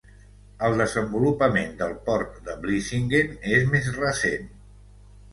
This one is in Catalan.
El desenvolupament del port de Vlissingen és més recent.